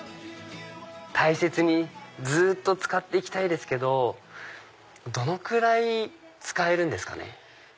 大切にずっと使って行きたいですけどどのくらい使えるんですかね？